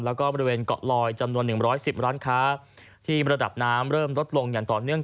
แล้วก็บริเวณเกาะลอยจำนวน๑๑๐ร้านค้าที่ระดับน้ำเริ่มลดลงอย่างต่อเนื่อง